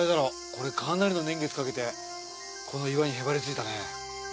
これかなりの年月かけてこの岩にへばりついたね。